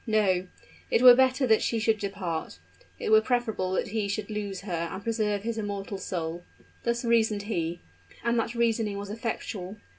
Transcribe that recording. No; it were better that she should depart; it were preferable that he should lose her and preserve his immortal soul. Thus reasoned he; and that reasoning was effectual.